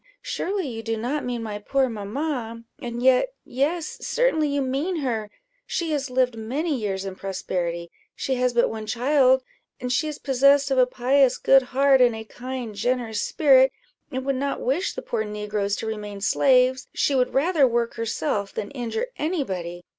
surely you do not mean my poor mamma? And yet yes, certainly you mean her she has lived many years in prosperity she has but one child, and she is possessed of a pious, good heart, and a kind, generous spirit, and would not wish the poor negroes to remain slaves she would rather work herself than injure any body.